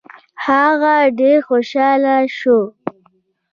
هغه ډېر خوشاله شو.